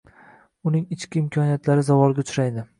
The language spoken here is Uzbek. uning ichki imkoniyatlari zavolga uchraydi.